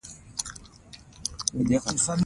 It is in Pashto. خانانو او نوابانو پټ تماسونه درلودل.